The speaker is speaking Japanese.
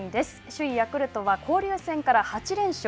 首位ヤクルトは交流戦から８連勝。